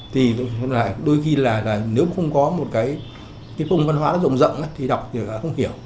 thì đôi khi là nếu không có một cái cái vùng văn hóa nó rộng rộng thì đọc thì nó không hiểu